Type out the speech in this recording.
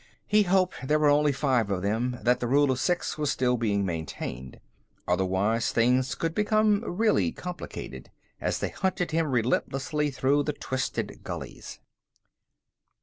He hoped there were only five of them, that the rule of six was still being maintained. Otherwise things could become really complicated, as they hunted him relentlessly through the twisted gulleys.